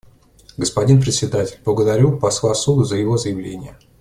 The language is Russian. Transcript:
Господин Председатель: Благодарю посла Суду за его заявление.